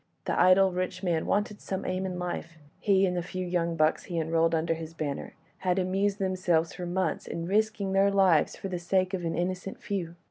The idle, rich man wanted some aim in life—he, and the few young bucks he enrolled under his banner, had amused themselves for months in risking their lives for the sake of an innocent few.